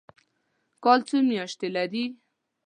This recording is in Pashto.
کال څو میاشتې لري؟